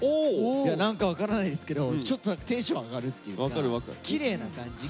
いや何か分からないですけどちょっと何かテンション上がるっていうかきれいな感じ。